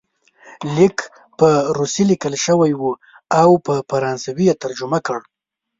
لیک په روسي لیکل شوی وو او په فرانسوي یې ترجمه کړ.